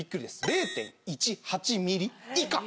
０．１８ｍｍ以下。